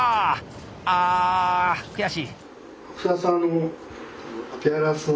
あ悔しい。